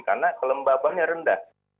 karena kelembabannya rendah